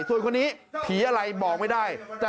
ส่วนคนนี้ผีอะไรบอกไม่ได้